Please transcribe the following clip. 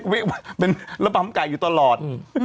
ให้ไประบำไก่อยู่ตลอด